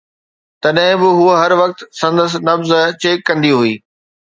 تڏهن به هوءَ هر وقت سندس نبض چيڪ ڪندي هئي